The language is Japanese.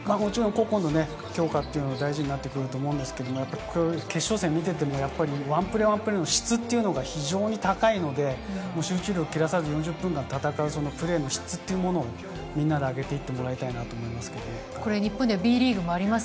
個々の強化は大事になってくると思いますけれど、決勝戦を見ていてもワンプレー、ワンプレーの質が非常に高いので、集中力を切らさず４０分戦うプレーの質というものをみんなで上げ日本ではＢリーグもあります。